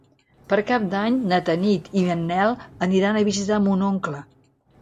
Per Cap d'Any na Tanit i en Nel aniran a visitar mon oncle.